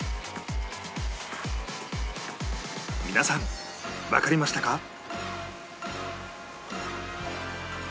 皆さんわかりましたか？